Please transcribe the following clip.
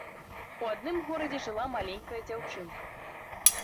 У адным горадзе жыла маленькая дзяўчынка.